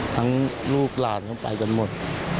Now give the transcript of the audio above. ทั้งลูกหลานก็ไปกันหมด